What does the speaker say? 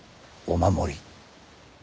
お守り？